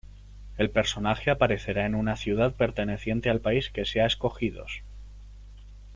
El personaje aparecerá en una ciudad perteneciente al país que se ha escogidos.